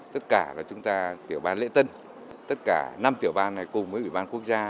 tất cả là chúng ta tiểu ban lễ tân tất cả năm tiểu ban này cùng với ủy ban quốc gia